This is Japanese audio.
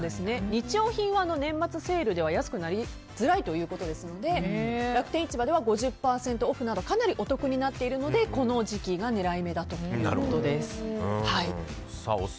日用品は年末セールでは安くなりづらいということですので楽天市場では５０％オフなどかなりお得になっているのでこの時期が狙い目だということです。